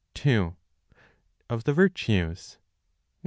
Of the Virtues, 19.